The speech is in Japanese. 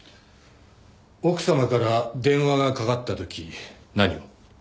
奥様から電話がかかった時何を？